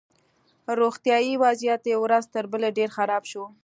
روغتیایي وضعیت یې ورځ تر بلې ډېر خراب شو